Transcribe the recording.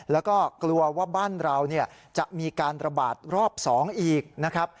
แล้วก็กลัวว่าบ้านเราจะมีการระบาดรอบ๒อีกนะครับ